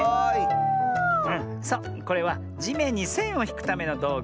そうこれはじめんにせんをひくためのどうぐ。